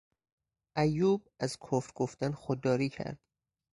ایوب از کفر گفتن خودداری کرد.